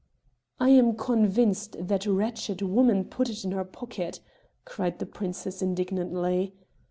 "I am convinced that wretched woman put it in her pocket!" cried the princess indignantly.